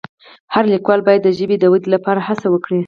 هر لیکوال باید د ژبې د ودې لپاره هڅه وکړي.